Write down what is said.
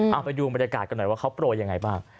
เอาไปดูบรรยากาศกันหน่อยว่าเขาโปรยยังไงบ้าง